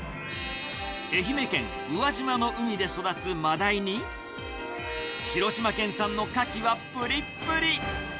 愛媛県宇和島の海で育つマダイに、広島県産のカキはぷりっぷり。